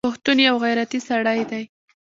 پښتون یوغیرتي سړی دی